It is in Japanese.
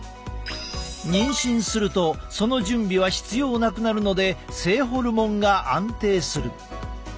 妊娠するとその準備は必要なくなるので性ホルモンが安定する。